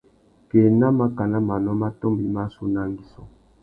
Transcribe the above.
Kā ena màkánà manô mà tômbô i mà sú una angüissô.